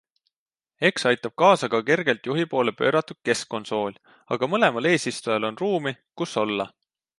Eks aitab kaasa ka kergelt juhi poole pööratud keskkonsool, aga mõlemal eesistujal on ruumi, kus olla.